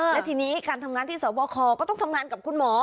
และทีนี้การทำงานที่สวบคก็ต้องทำงานกับคุณหมอ